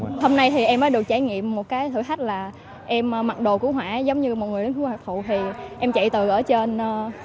vì một cái thử thách là em mặc đồ cứu hỏa giống như một người lính cứu hợp thụ thì em chạy từ ở trên